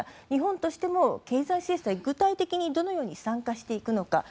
日本としても経済制裁に具体的にどのように参加していくか。